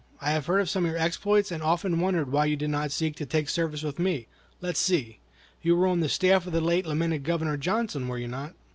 I have heard of some of your exploits, and often wondered why you did not seek to take service with me. Let's see! You were on the staff of the late lamented Governor Johnson, were you not?"